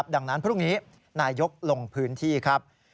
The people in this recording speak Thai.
ดังนั้นพรุ่งนี้นายกลงพื้นที่ครับ